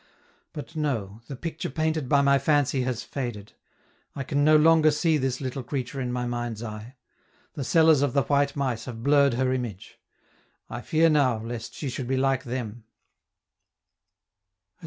But no, the picture painted by my fancy has faded. I can no longer see this little creature in my mind's eye; the sellers of the white mice have blurred her image; I fear now, lest she should be like them.